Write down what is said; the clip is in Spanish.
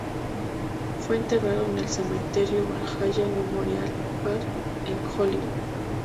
Fue enterrado en el Cementerio Valhalla Memorial Park, en Hollywood.